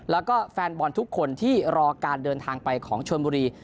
แล้วก็แฟนบอลทุกคนที่รอการเดินทางไปของชนบุรี